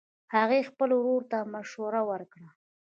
هغې خپل ورور ته مشوره ورکړه